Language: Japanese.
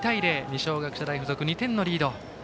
二松学舎大付属が２点リード。